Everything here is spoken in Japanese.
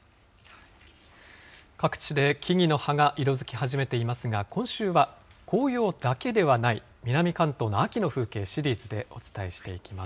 各地で木々の葉が色づき始めていますが、今週は紅葉だけではない、南関東の秋の風景、シリーズでお伝えしていきます。